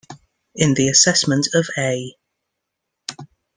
In the assessment of A.